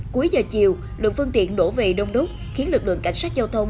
cuối giờ chiều lượng phương tiện đổ về đông đúc khiến lực lượng cảnh sát giao thông